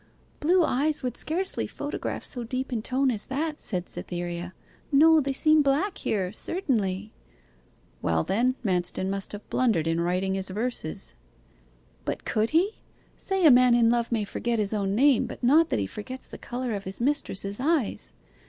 'Blue eyes would scarcely photograph so deep in tone as that,' said Cytherea. 'No, they seem black here, certainly.' 'Well, then, Manston must have blundered in writing his verses.' 'But could he? Say a man in love may forget his own name, but not that he forgets the colour of his mistress's eyes.